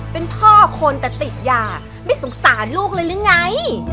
เป็นพ่อคนแต่ติดยาไม่สงสารลูกเลยหรือไง